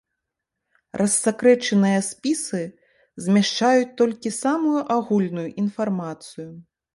Рассакрэчаныя спісы змяшчаюць толькі самую агульную інфармацыю.